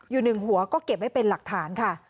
อยู่หนึ่งหัวก็เก็บไว้เป็นหลักฐานค่ะ